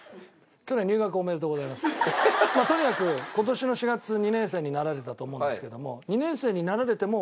とにかく今年の４月２年生になられたと思うんですけども。